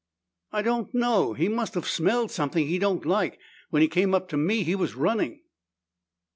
"I don't know. He must have smelled something he don't like. When he came up to me, he was running."